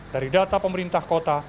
dari data pemerintah kota